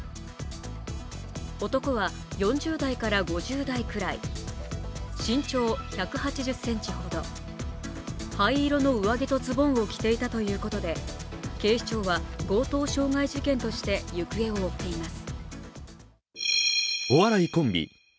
男は４０代から５０代くらい、身長１８０ｃｍほど、灰色の上着とズボンを着ていたということで警視庁は強盗傷害事件として行方を追っています。